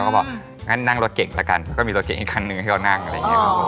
ก็บอกงั้นนั่งรถเก่งละกันก็มีรถเก่งอีกคันนึงให้เขานั่งอะไรอย่างนี้